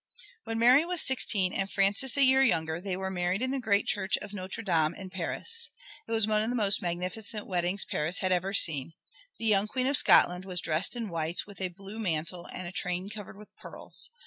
When Mary was sixteen and Francis a year younger they were married in the great church of Notre Dame in Paris. It was one of the most magnificent weddings Paris had ever seen. The young Queen of Scotland was dressed in white, with a blue mantle and a train covered with pearls.